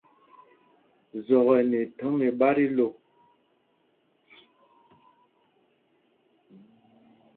Zɔk ɛ nɛ ithɔ̌ŋ iɓá tí lô.